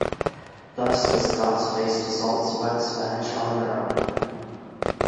Thus, the Scots faced assaults by the Spanish on their own.